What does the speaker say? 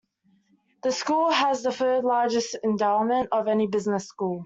The school has the third-largest endowment of any business school.